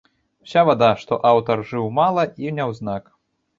Уся вада, што аўтар жыў мала і няўзнак.